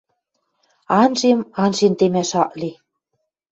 Анжем — анжен темӓш ак ли